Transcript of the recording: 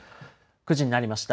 ９時になりました。